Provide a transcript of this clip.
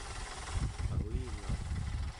pavingauq